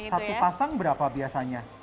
satu pasang berapa biasanya